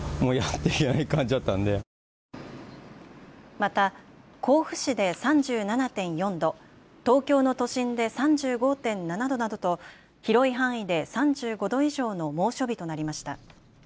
また甲府市で３７．４度、東京の都心で３５．７度などと広い範囲で３５度以上の猛暑日となりました。